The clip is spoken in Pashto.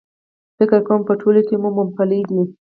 فکر کوم په ټولو کې مومپلي دي.H